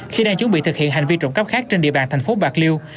khi đang chuẩn bị thực hiện hành vi trộm cắp khác trên địa bàn thành phố bạc liêu